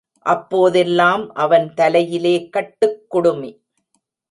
அப்போதெல்லாம் அவன் தலையிலே கட்டுக் குடுமி.